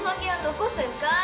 残すんかい！